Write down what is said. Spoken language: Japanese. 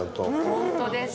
本当です。